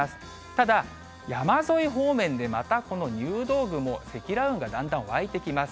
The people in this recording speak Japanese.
ただ、山沿い方面でまたこの入道雲、積乱雲がだんだん湧いてきます。